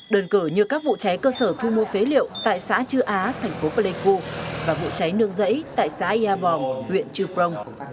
đơn cử như các vụ cháy cơ sở thu mua phế liệu tại xã chư á thành phố pleiku và vụ cháy nương rẫy tại xã yà bòng huyện chư prong